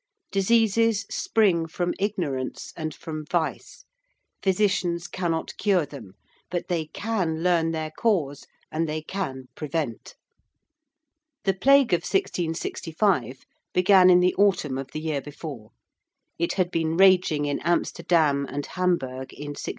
Diseases spring from ignorance and from vice. Physicians cannot cure them: but they can learn their cause and they can prevent. The Plague of 1665 began in the autumn of the year before. It had been raging in Amsterdam and Hamburg in 1663.